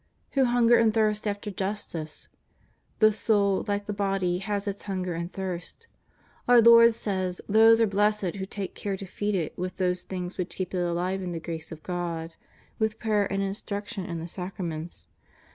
Who hunger and thirst after justice. The soul, like the body, has its hunger and thirst. Our Lord says those are blessed who take care to feed it with those things which keep it alive in the grace of God, with prayer, and instruction, and the Sacraments.